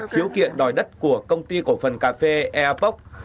khiếu kiện đòi đất của công ty cổ phần cà phê airpoc